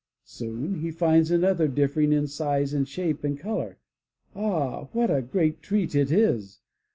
Soon he finds another differing in size and shape and color. Ah! what a great treat it is!